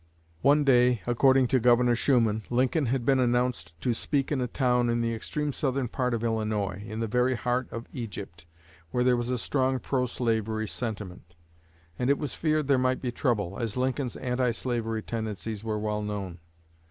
One day, according to Governor Shuman, Lincoln had been announced to speak in a town in the extreme southern part of Illinois, in the very heart of "Egypt," where there was a strong pro slavery sentiment; and it was feared there might be trouble, as Lincoln's anti slavery tendencies were well known.